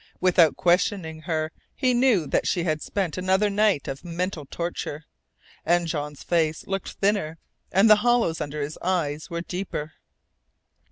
Without questioning her he knew that she had spent another night of mental torture. And Jean's face looked thinner, and the hollows under his eyes were deeper.